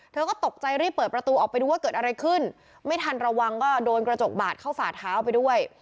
เธอก็ตกใจรีบเปิดประตูออกไปดูว่าเกิดอะไรขึ้นไม่ทันระวังก็โดนกระจกบาดเข้าฝ่าเท้าไปด้วย